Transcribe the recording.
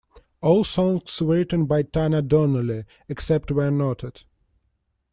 All songs written by Tanya Donelly, except where noted.